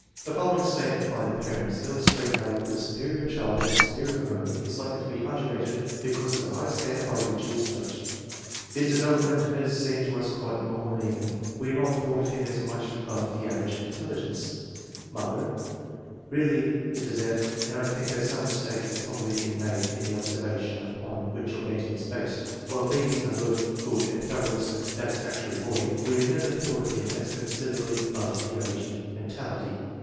The following statement by the parents illustrate how the superior child in a superior home is likely to be underrated because of the high standard by which he is judged: "His development has seemed to us quite normal and even. We had not thought of him as much above the average in intelligence/' (Mother.) "Really Mrs. F. and I think that some mistake has probably been made in the observations upon which your rating is based. While B. is an alert, good and thoroughly satisfactory boy, we have never thought of him as considerably above the average in mentality.